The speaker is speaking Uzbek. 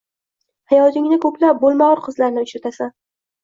Hayotingda ko‘plab bo‘lmagur qizlarni uchratasan.